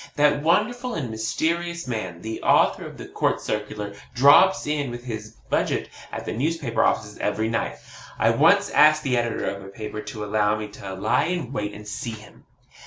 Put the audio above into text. That wonderful and mysterious man, the author of the COURT CIRCULAR, drops in with his budget at the newspaper offices every night. I once asked the editor of a paper to allow me to lie in wait and see him.